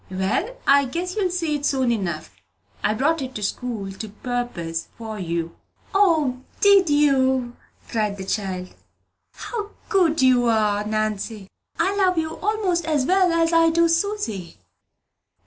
"Well, I guess you'll see it soon enough. I brought it to school to purpose for you." "O, did you?" cried the child. "How good you are, Nanny. I love you 'most as well as I do Susy."